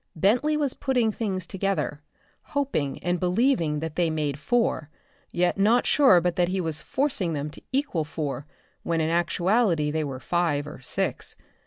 Bentley was putting things together, hoping and believing that they made four yet not sure but that he was forcing them to equal four when in actuality they were five or six.